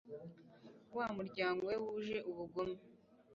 wa muryango we wuje ubugome